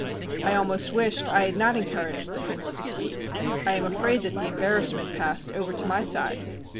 I almost wished I had not encouraged the prince to speak. I am afraid that the embarrassment passed over to my side.